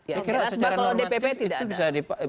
ya karena kalau dpp tidak ada